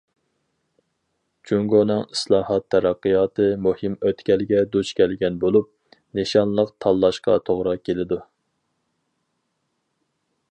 جۇڭگونىڭ ئىسلاھات تەرەققىياتى مۇھىم ئۆتكەلگە دۇچ كەلگەن بولۇپ، نىشانلىق تاللاشقا توغرا كېلىدۇ.